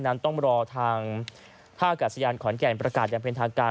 นั้นต้องรอทางท่ากาศยานขอนแก่นประกาศอย่างเป็นทางการ